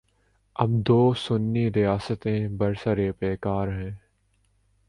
اب دوسنی ریاستیں برسر پیکار ہیں۔